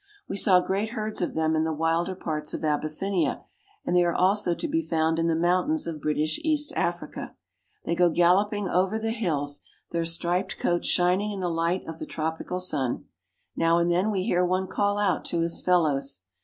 We saw great herds of them in the wilder parts of Abys sinia, and they are also to be found in the mountains of British East Africa. They go galloping over the hills, their striped coats shining in the light of the tropical sun. Now and then we hear one call out to his fellows.